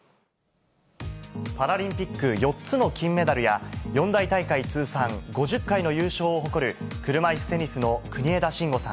パラリンピック４つの金メダルや、四大大会通算５０回の優勝を誇る、車いすテニスの国枝慎吾さん。